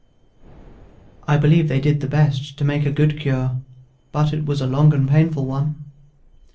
I believe they did the best to make a good cure, but it was a long and painful one.